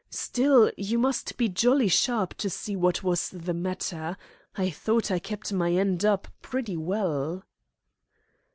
Still, you must be jolly sharp to see what was the matter. I thought I kept my end up pretty well."